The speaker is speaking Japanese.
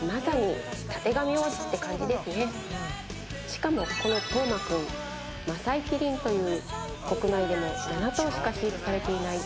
しかもこのトウマくんマサイキリンという国内でも７頭しか飼育されていない